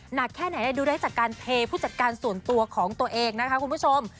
หนักแค่ไหนดูได้จากการเทผู้จัดการส่วนตัวของตัวเองนะคะคุณผู้ชม